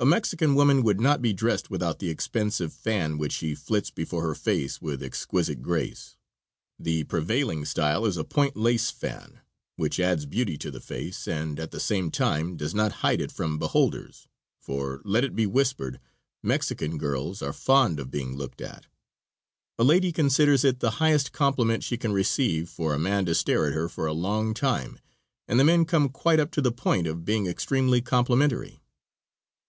A Mexican woman would not be dressed without the expensive fan which she flits before her face with exquisite grace. The prevailing style is a point lace fan, which adds beauty to the face and, at the same time, does not hide it from beholders, for, let it be whispered, Mexican girls are fond of being looked at. A lady considers it the highest compliment she can receive for a man to stare at her for a long time, and the men come quite up to the point of being extremely complimentary.